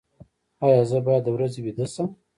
ایا زه باید د ورځې ویده شم؟